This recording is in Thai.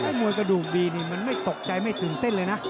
มวยกระดูกดีนี่มันไม่ตกใจไม่ตื่นเต้นเลยนะ